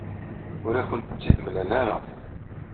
Ur akent-tt-id-mlan ara.